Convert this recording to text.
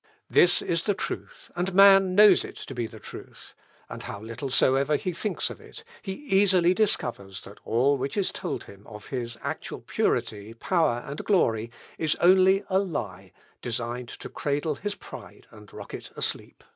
This is the truth, and man knows it to be the truth; and how little soever he thinks of it, he easily discovers that all which is told him of his actual purity, power, and glory, is only a lie, designed to cradle his pride and rock it asleep.